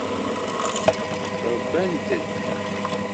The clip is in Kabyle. Rbant-d.